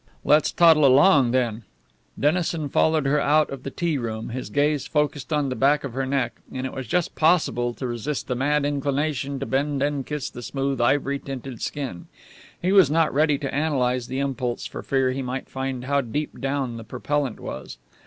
"Let's toddle along, then." Dennison followed her out of the tea room, his gaze focused on the back of her neck, and it was just possible to resist the mad inclination to bend and kiss the smooth, ivory tinted skin. He was not ready to analyze the impulse for fear he might find how deep down the propellant was.